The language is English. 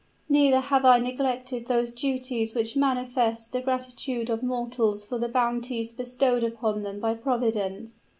Neither have I neglected those duties which manifest the gratitude of mortals for the bounties bestowed upon them by Providence."